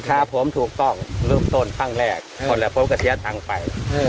คราพร้อมถูกต้องรุ่นต้นขั้นแรกคอนแหละพบกระเฌียกต่างไป